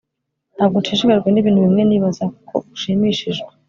ntabwo nshishikajwe nibintu bimwe nibaza ko ushimishijwe